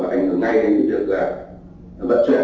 và ảnh hưởng ngay đến việc vận chuyển